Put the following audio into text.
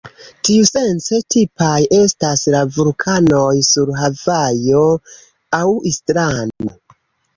Tiusence tipaj estas la vulkanoj sur Havajo aŭ Islando.